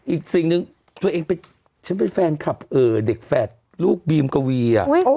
อีกสิ่งหนึ่งตัวเองฉันเป็นแฟนคลับเด็กแฝดลูกบีมกวี